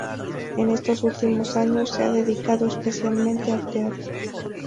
En estos últimos años se ha dedicado especialmente al teatro.